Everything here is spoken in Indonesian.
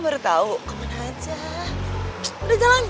baru tahu ke mana aja udah jalan yuk